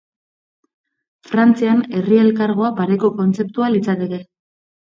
Frantzian, herri elkargoa pareko kontzeptua litzateke.